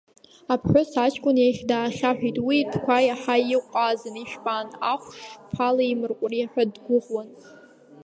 Аԥҳәыс аҷкәын иахь даахьаҳәит, уи итәқәа иаҳа иҟәазын, ижәпан, ахә шԥалеимырҟәри ҳәа дгәыӷуан.